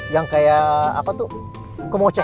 yang kayak apa tuh kemoco